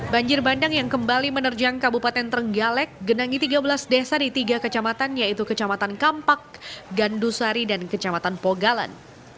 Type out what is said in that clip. banjir bandang yang kembali menerjang kabupaten trenggalek genangi tiga belas desa di tiga kecamatan yaitu kecamatan kampak gandusari dan kecamatan pogalan